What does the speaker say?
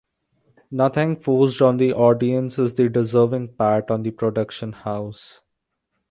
Nothing forced on the audience is the deserving pat on the production house.